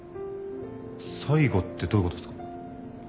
最後ってどういうことっすか？